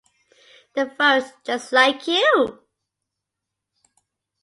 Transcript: The vote just like you.